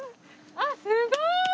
あっすごーい！